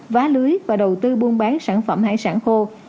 vá lưới và đầu tư buôn bán sản phẩm hải sản khô